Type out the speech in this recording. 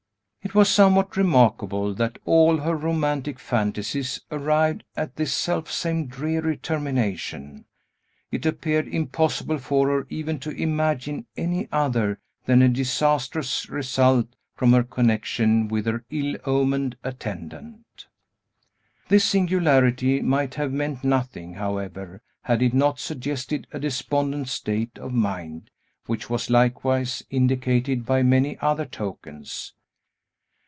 It was somewhat remarkable that all her romantic fantasies arrived at this self same dreary termination, it appeared impossible for her even to imagine any other than a disastrous result from her connection with her ill omened attendant. This singularity might have meant nothing, however, had it not suggested a despondent state of mind, which was likewise indicated by many other tokens.